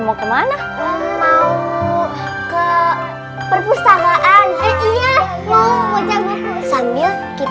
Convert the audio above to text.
yuk kita main ini yuk